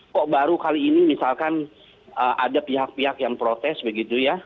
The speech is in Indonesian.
kok baru kali ini misalkan ada pihak pihak yang protes begitu ya